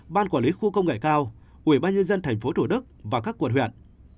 ban quản lý khu công nghệ cao ủy ban nhân dân tp thủ đức và các quận huyện